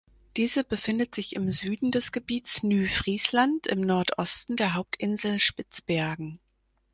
Diese befindet sich im Süden des Gebiets Ny-Friesland im Nordosten der Hauptinsel Spitzbergen.